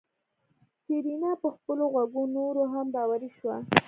سېرېنا په خپلو غوږو نوره هم باوري شوه.